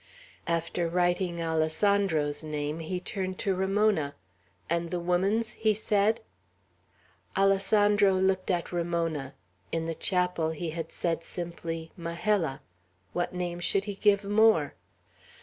After writing Alessandro's name, he turned to Ramona. "And the woman's?" he said. Alessandro looked at Ramona. In the chapel he had said simply, "Majella." What name should he give more?